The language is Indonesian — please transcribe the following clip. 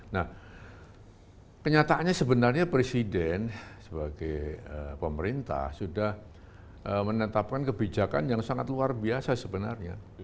nah kenyataannya sebenarnya presiden sebagai pemerintah sudah menetapkan kebijakan yang sangat luar biasa sebenarnya